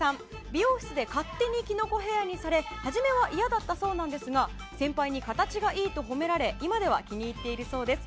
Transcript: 美容室で勝手にキノコヘアにされ初めは嫌だったそうですが先輩に形がいいと褒められ今では気に入っているそうです。